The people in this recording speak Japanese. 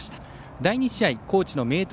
第２試合、高知の明徳